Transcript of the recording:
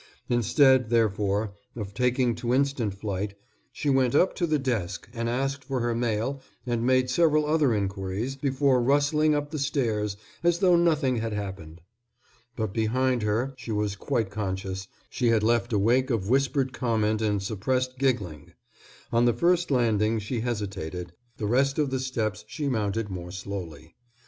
Instead, therefore, of taking to instant flight, she went up to the desk and asked for her mail and made several other inquiries before rustling up the stairs as though nothing had happened. But behind her, she was quite conscious, she had left a wake of whispered comment and suppressed giggling. On the first landing she hesitated, the rest of the steps she mounted more slowly.